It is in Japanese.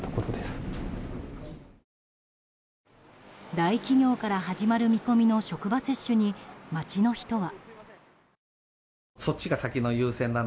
大企業から始まる見込みの職場接種に、街の人は。